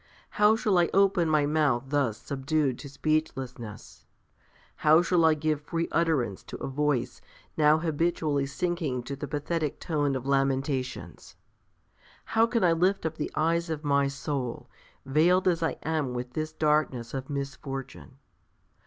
How shall I open my mouth thus subdued to speechlessness? How shall I give free utterance to a voice now habitually sinking to the pathetic tone of lamentations? How can I lift up the eyes of my soul, veiled as I am with this darkness of misfortune?